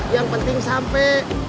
yang penting sampai